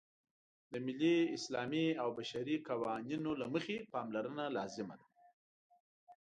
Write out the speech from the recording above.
د ملي، اسلامي او بشري قوانینو له مخې پاملرنه لازمه ده.